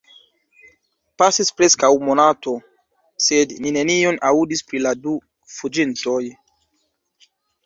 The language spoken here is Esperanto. Pasis preskaŭ monato, sed ni nenion aŭdis pri la du fuĝintoj.